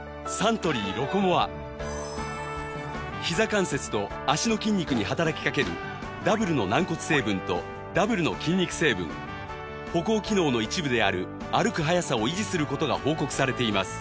関節と脚の筋肉に働きかけるダブルの軟骨成分とダブルの筋肉成分歩行機能の一部である歩く早さを維持する事が報告されています